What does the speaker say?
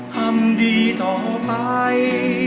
ทำดีต่อไป